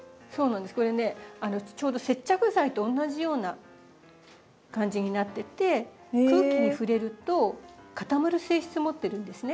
これねちょうど接着剤とおんなじような感じになってて空気に触れると固まる性質を持ってるんですね。